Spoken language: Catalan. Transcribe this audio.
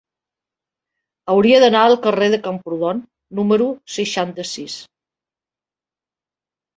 Hauria d'anar al carrer de Camprodon número seixanta-sis.